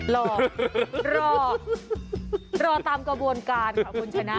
รอรอตามกระบวนการค่ะคุณชนะ